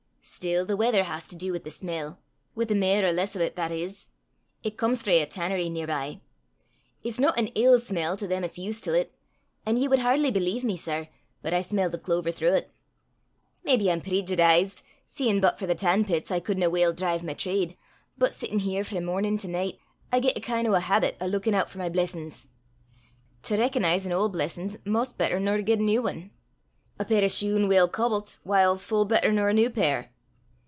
"Still, the weather has to du wi' the smell wi' the mair or less o' 't, that is. It comes frae a tanneree nearby. It's no an ill smell to them 'at's used til 't; and ye wad hardly believe me, sir, but I smell the clover throuw 't. Maybe I'm preejudized, seein' but for the tan pits I couldna weel drive my trade; but sittin' here frae mornin' to nicht, I get a kin' o' a habit o' luikin' oot for my blessin's. To recognize an auld blessin' 's 'maist better nor to get a new ane. A pair o' shune weel cobblet 's whiles full better nor a new pair."